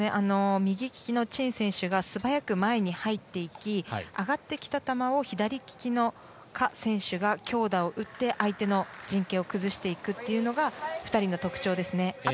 右利きのチン選手が素早く前に入っていき上がってきた球を左利きのカ選手が強打を打って相手の陣形を崩していくのが２人の特徴です。